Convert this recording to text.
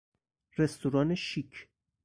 رستوران شیک